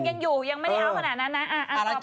ยังอยู่ยังไม่ได้เอาขนาดนั้นนะ